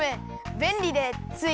べんりでつい。